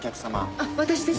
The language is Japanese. あっ私です。